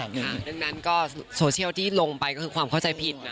ดังนั้นก็โซเชียลที่ลงไปก็คือความเข้าใจผิด